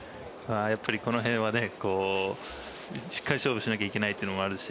やっぱりこの辺はしっかり勝負しなきゃいけないというのもあるし